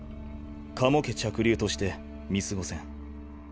加茂家嫡流として見過ごせん。